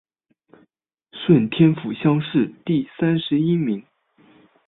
顺天府乡试第三十一名。